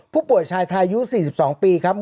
ผู้ป่วยชายไทยอายุ๔๒ปีครับ